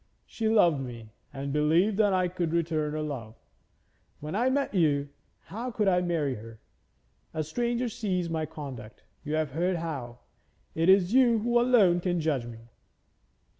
She loved me, and I believed that I could return her love. When I met you, how could I marry her? A stranger sees my conduct you have heard how. It is you who alone can judge me.'